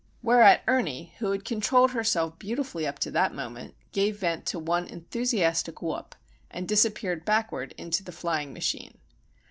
Whereat Ernie, who had controlled herself beautifully up to that moment, gave vent to one enthusiastic whoop, and disappeared backward into the flying machine.